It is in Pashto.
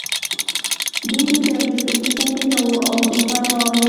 دی د جګړې په کیسه کې نه و او بې پروا و